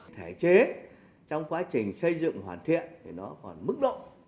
thể chế trong quá trình xây dựng hoàn thiện thì nó còn mức độ